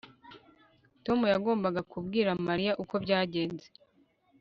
Tom yagombaga kubwira Mariya uko byagenze